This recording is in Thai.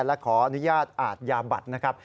และขออนุญาตอาทยาบัตร